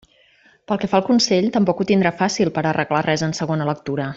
Pel que fa al Consell, tampoc ho tindrà fàcil per arreglar res en segona lectura.